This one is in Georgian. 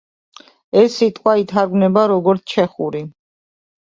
ეს სიტყვა ითარგმნება, როგორც ჩეხური.